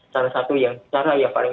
salah satu yang cara yang paling